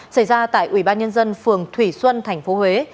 xảy ra tại ủy ban nhân dân phường thủy xuân tp huế